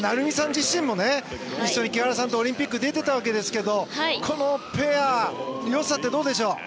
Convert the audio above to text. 自身もね、木原さんとオリンピック出てたわけですけどこのペアの良さってどうでしょう？